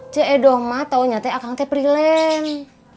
cik edo mah tahu akang prileng